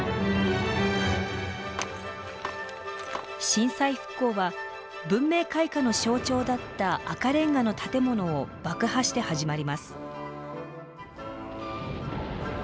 震災復興は文明開化の象徴だった赤レンガの建物を爆破して始まります。